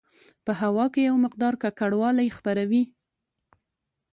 په هوا کې یو مقدار ککړوالی خپروي.